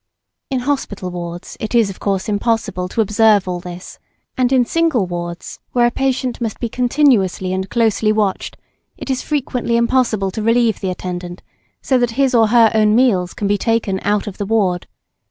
In hospital wards it is of course impossible to observe all this; and in single wards, where a patient must be continuously and closely watched, it is frequently impossible to relieve the attendant, so that his or her own meals can be taken out of the ward.